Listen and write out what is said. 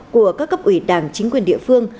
của các cấp ủy đảng chính quyền địa phương